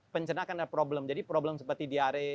pencernaan akan ada problem jadi problem seperti diare